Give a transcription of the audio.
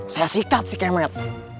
saya sikat si kemet